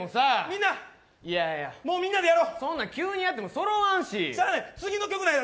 みんなもうみんなでやろうそんな急にやってもそろわんししゃあない